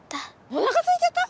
おなかすいちゃった？